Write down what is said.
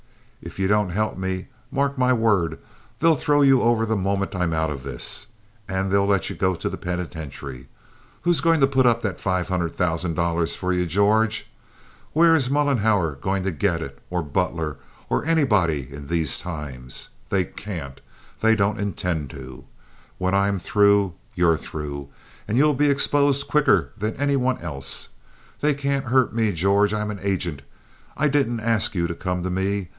If you don't help me, mark my word, they'll throw you over the moment I'm out of this, and they'll let you go to the penitentiary. Who's going to put up five hundred thousand dollars for you, George? Where is Mollenhauer going to get it, or Butler, or anybody, in these times? They can't. They don't intend to. When I'm through, you're through, and you'll be exposed quicker than any one else. They can't hurt me, George. I'm an agent. I didn't ask you to come to me.